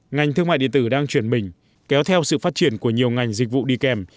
ngành thương mại điện tử đang chuyển mình kéo theo sự phát triển của nhiều ngành dịch vụ đi kèm